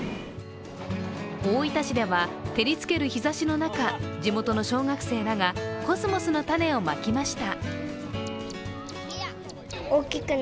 大分市では照りつける日ざしの中、地元の小学生らがコスモスの種をまきました。